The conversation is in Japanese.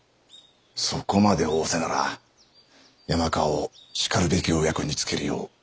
そこまで仰せなら山川をしかるべきお役につけるよう考えねばなりませぬな。